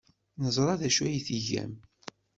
Neẓra d acu ay tgam.